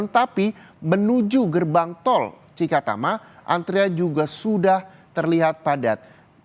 tapi menuju gerbang tol cikatama antrian juga sudah terlihat padat